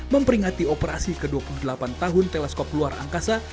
memperingati operasi ke dua puluh delapan tahun teleskop luar angkasa